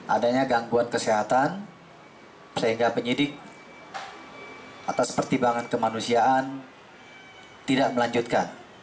adanya gangguan kesehatan sehingga penyidik atas pertimbangan kemanusiaan tidak melanjutkan